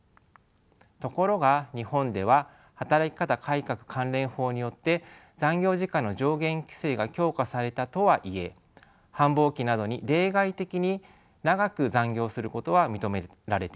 ところが日本では働き方改革関連法によって残業時間の上限規制が強化されたとはいえ繁忙期などに例外的に長く残業をすることは認められています。